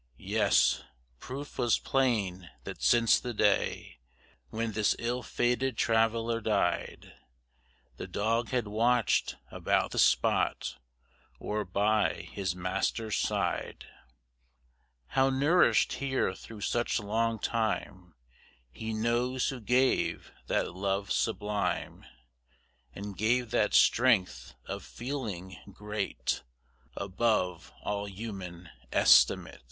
Yes, proof was plain that since the day When this ill fated traveller died, The dog had watched about the spot Or by his master's side; How nourished here through such long time He knows who gave that love sublime, And gave that strength of feeling, great Above all human estimate.